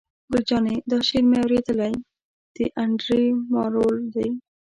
ګل جانې: دا شعر مې اورېدلی، د انډرې مارول دی.